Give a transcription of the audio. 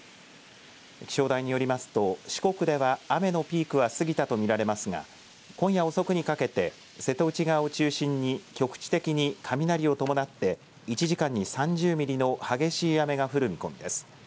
気象台によりますと四国では雨のピークは過ぎたと見られますが今夜遅くにかけて瀬戸内側を中心に局地的に雷を伴って１時間に３０ミリの激しい雨が降る見込みです。